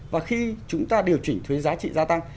và khi chúng ta điều chỉnh thuế giá trị gia tăng